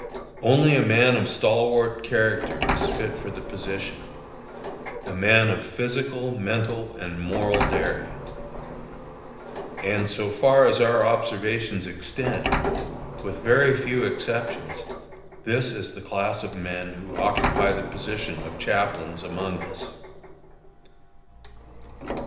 Only a man of stalwart character is fit for the position a man of physical, mental, and moral daring. And so far as our observations extend, with very few exceptions, this is the class of men who occupy the position of chaplains among us.